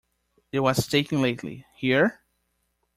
It was taken lately, here?